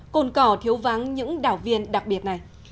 cồn cỏ thiếu vắng những đảng viên đặc biệt này